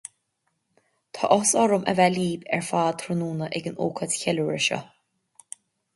Tá áthas orm a bheith libh ar fad tráthnóna ag an ócáid cheiliúrtha seo